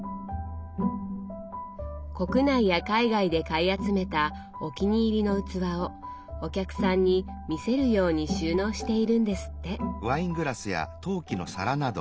国内や海外で買い集めたお気に入りの器をお客さんに見せるように収納しているんですって。